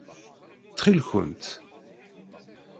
Ttxil-kent.